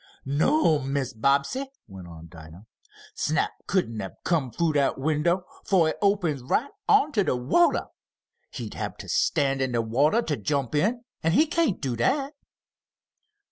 "No'm, Mrs. Bobbsey," went on Dinah. "Snap couldn't hab come in fru dat window, fo' it opens right on to de watah. He'd hab to stand in de watah to jump in, an' he can't do that."